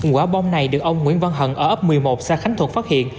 quả bôm này được ông nguyễn văn hận ở ấp một mươi một xã khánh thuận phát hiện